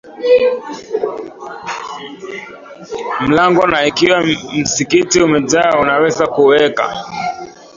mlango Na ikiwa msikiti umejaa unaweza kuweka